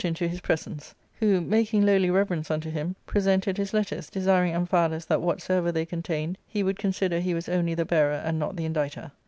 '^Book IIL his presence ; who, making lowly reverence unto him, pre sented his letters, desiring Amphialus that whatsoever they contained he would consider he was only the bearer and not the inditer.